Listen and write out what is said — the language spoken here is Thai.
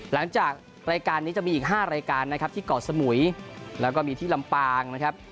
หลังจากรายการนี้จะมีอีก๕รายการนะครับที่เกาะสมุยแล้วก็มีที่ลำปางนะครับ